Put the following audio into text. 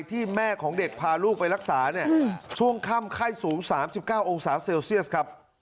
ที่แม่ของเด็กพาลูกไปรักษาเนี่ยช่วงค่ำไข้สูง๓๙องศาเซลเซียสครับ